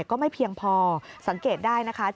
ก็ไม่เพียงพอสังเกตได้นะคะ